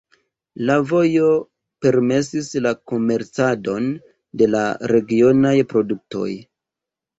La vojo permesis la komercadon de la regionaj produktoj.